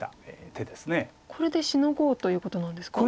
これでシノごうということなんですか？